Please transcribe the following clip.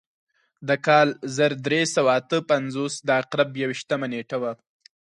د کال زر درې سوه اته پنځوس د عقرب یو ویشتمه نېټه وه.